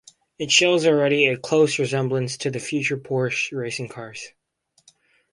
It shows already a close resemblance to future Porsche racing cars.